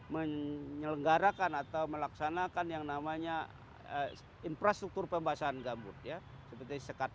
menyelenggarakan atau melaksanakan yang namanya infrastruktur pembasahan gambut ya seperti sekat